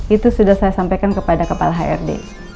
itu sudah saya sampaikan kepada kepala hrd